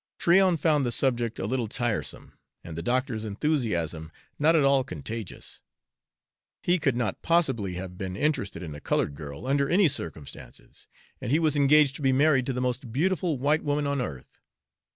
Tryon found the subject a little tiresome, and the doctor's enthusiasm not at all contagious. He could not possibly have been interested in a colored girl, under any circumstances, and he was engaged to be married to the most beautiful white woman on earth.